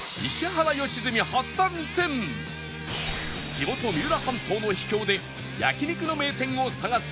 地元三浦半島の秘境で焼肉の名店を探す